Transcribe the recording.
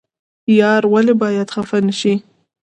یار ولې باید خفه نشي؟